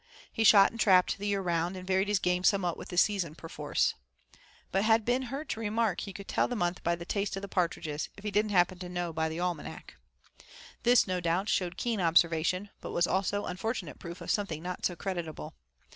He shot and trapped the year round, and varied his game somewhat with the season perforce, but had been heard to remark he could tell the month by the 'taste o' the partridges,' if he didn't happen to know by the almanac. This, no doubt, showed keen observation, but was also unfortunate proof of something not so creditable.